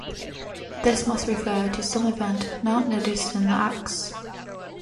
This must refer to some event not noticed in the Acts.